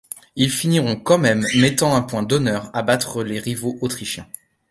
Ils finiront quand même mettant un point d'honneur à battre les rivaux Autrichiens.